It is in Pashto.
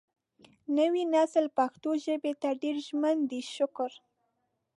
نوی نسل پښتو ژبې ته ډېر ژمن دی شکر